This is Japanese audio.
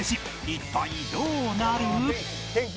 一体どうなる？